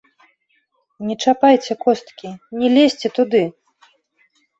Не чапайце косткі, не лезьце туды!